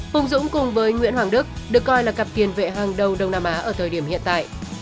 hùng dũng cùng với nguyễn hoàng đức được coi là cặp tiền vệ hàng đầu đông nam á ở thời điểm hiện tại